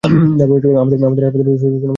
আমাদের হাসপাতালের সুনাম ঝুঁকির মধ্যে থাকবে।